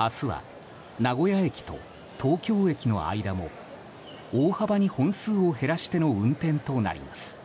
明日は名古屋駅と東京駅の間も大幅に本数を減らしての運転となります。